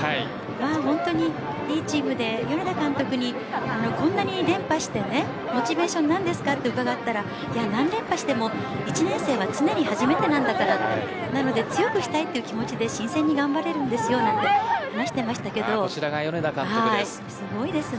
本当にいいチームで米田監督に、こんなに連覇してモチベーションはなんですかと伺ったら何連覇しても１年生は常に初めてなんだからなので強くしたいという気持ちで新鮮に頑張れるんですよなんて話してましたけどすごいですね。